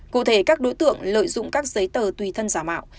cụ thể các đối tượng lợi dụng các giấy tờ tùy thân giả mạo